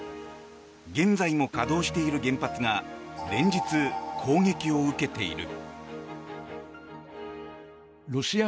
現在も稼働している原発が連日、攻撃を受けている。